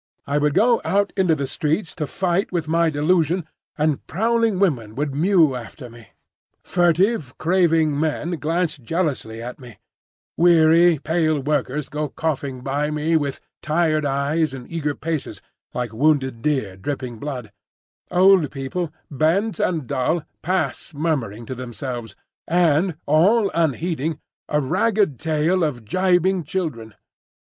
I would go out into the streets to fight with my delusion, and prowling women would mew after me; furtive, craving men glance jealously at me; weary, pale workers go coughing by me with tired eyes and eager paces, like wounded deer dripping blood; old people, bent and dull, pass murmuring to themselves; and, all unheeding, a ragged tail of gibing children.